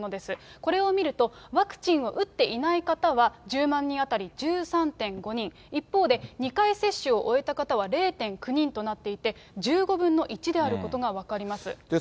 これを見ると、ワクチンを打っていない方は１０万人当たり１３．５人、一方で２回接種を終えた方は０．９人となっていて、１５分の１であることが分かります。